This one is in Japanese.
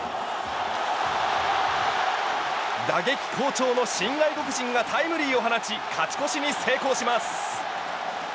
打撃好調の新外国人がタイムリーを放ち勝ち越しに成功します。